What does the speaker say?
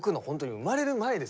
生まれる前の。